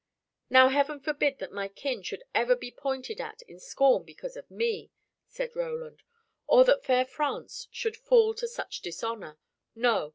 "Now Heaven forbid that my kin should ever be pointed at in scorn because of me," said Roland, "or that fair France should fall to such dishonor. No!